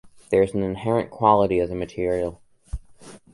That's an inherent quality of the material.